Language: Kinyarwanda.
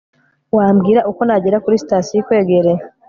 wambwira uko nagera kuri sitasiyo ikwegereye